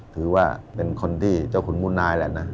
ถือว่าเป็นคนที่เจ้าขุนมุนนายแหละนะ